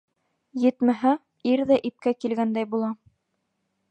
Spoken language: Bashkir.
Етмәһә, ир ҙә ипкә килгәндәй була.